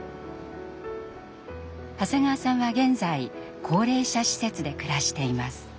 長谷川さんは現在高齢者施設で暮らしています。